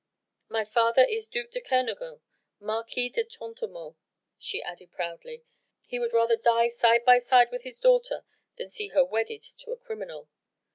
My father is duc de Kernogan, Marquis de Trentemoult," she added proudly, "he would far rather die side by side with his daughter than see her wedded to a criminal."